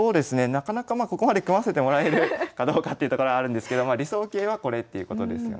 なかなかまあここまで組ませてもらえるかどうかっていうところあるんですけど理想型はこれっていうことですよね。